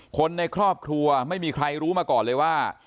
คนในครอบครัวไม่มีใครรู้มาก่อนเลยว่า